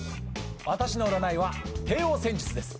私の占いは帝王占術です。